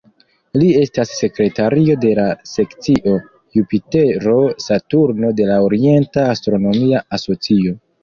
Li estas sekretario de la Sekcio Jupitero-Saturno de la Orienta Astronomia Asocio.